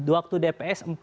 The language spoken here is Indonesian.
waktu dps empat